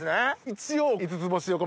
一応。